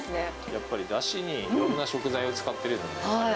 やっぱり、だしにいろんな食材を使っているので。